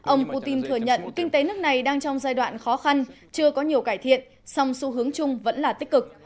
ông putin thừa nhận kinh tế nước này đang trong giai đoạn khó khăn chưa có nhiều cải thiện song xu hướng chung vẫn là tích cực